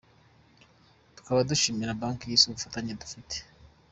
Tukaba dushimira Banki y’Isi ubufatanye dufite.”